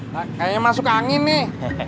kayaknya masuk angin nih